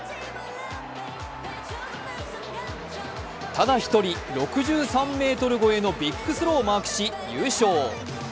ただ１人、６３ｍ超えのビッグスローをマークし優勝。